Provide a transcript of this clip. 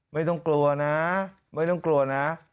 ไม่ต้องกลัวนะไม่ต้องกลัวนะ